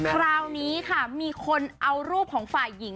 คราวนี้ค่ะมีคนเอารูปของฝ่ายหญิง